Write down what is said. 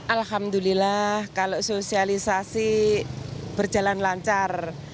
alhamdulillah kalau sosialisasi berjalan lancar